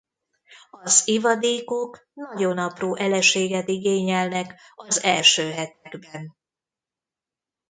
Az ivadékok nagyon apró eleséget igényelnek az első hetekben.